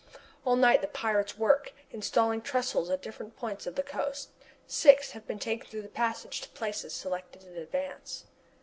All night long the pirates work, installing the trestles at different points of the coast. Six have been taken through the passage to places selected in advance.